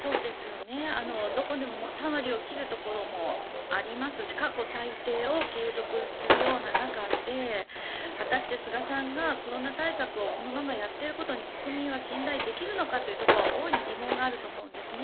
３割を切るところもありますし過去最低を継続するような中で果たして菅さんがコロナ対策をこのままやっていることに国民は信頼できるのかというのが大いに疑問があると思うんですね。